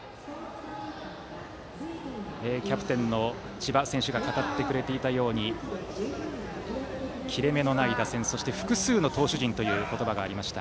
キャプテンの千葉選手が語ってくれていたように切れ目のない打線複数の投手陣という言葉がありました。